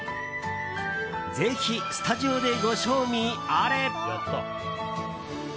ぜひスタジオでご賞味あれ！